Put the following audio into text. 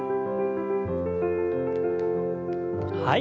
はい。